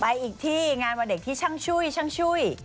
ไปอีกที่งานวันเด็กที่ช่างช่วยช่างช่วย